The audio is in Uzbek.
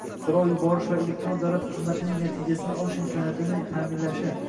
so‘rov yuborish va elektron davlat xizmatining natijasini olish imkoniyatini ta’minlashi;